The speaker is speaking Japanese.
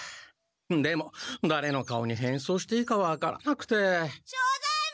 でもだれの顔に変装していいかわからなくて。